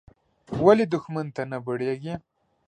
ولې دوښمن ته نه بړېږې.